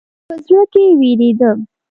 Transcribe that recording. په زړه کې وېرېدم.